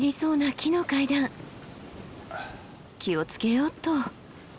気を付けようっと。